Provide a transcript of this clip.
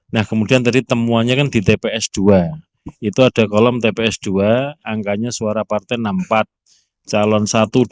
nah kemudian tadi temuannya kan di tps dua itu ada kolom tps dua angkanya suara partai enam puluh empat calon satu dua